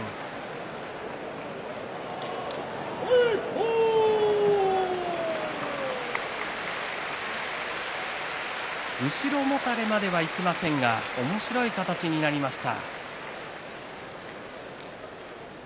拍手後ろもたれまではいきませんがおもしろい形になりました。